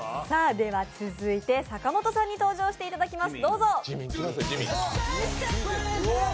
続いて阪本さんに登場していただきます。